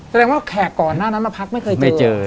แสดงว่าแขกก่อนหน้านั้นมาพักไม่เคยเจอ